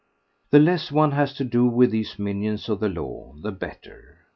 The less one has to do with these minions of the law the better.